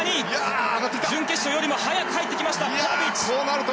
準決勝よりも早く入ってきました。